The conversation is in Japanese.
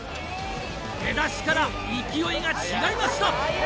出だしから勢いが違いました！